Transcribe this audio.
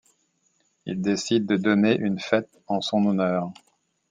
Ils décident de donner une fête en son honneur.